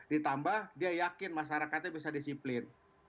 ditambah dia yakin masyarakatnya bisa disiplin